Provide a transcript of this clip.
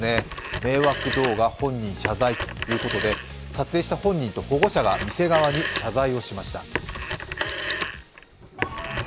迷惑動画、本人謝罪ということで撮影した本人と保護者が店側に謝罪をしました。